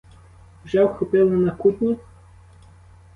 Вже вхопили на кутні?